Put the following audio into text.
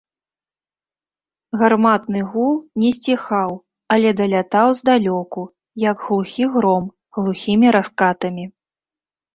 Гарматны гул не сціхаў, але далятаў здалёку, як глухі гром, глухімі раскатамі.